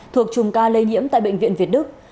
thuộc chùm ca lây nhiễm tại bệnh viện việt đức